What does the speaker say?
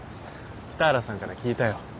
北原さんから聞いたよ。